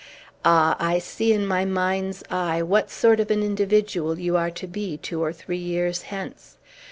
Ah, I see, in my mind's eye, what sort of an individual you are to be, two or three years hence.